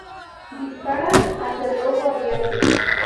Dispara a cerrojo abierto.